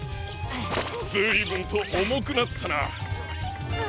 ずいぶんとおもくなったな。